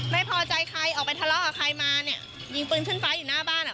ไม่พอใจใครออกไปทะเลาะกับใครมาเนี่ยยิงปืนขึ้นฟ้าอยู่หน้าบ้านอ่ะ